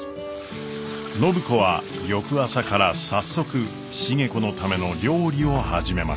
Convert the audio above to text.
暢子は翌朝から早速重子のための料理を始めました。